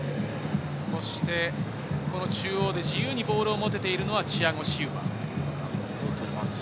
そして中央で自由にボールを持てているのはチアゴ・シウバ。